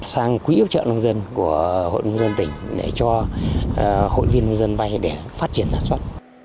sang quỹ hỗ trợ nông dân của hội nông dân tỉnh để cho hội viên nông dân vay để phát triển sản xuất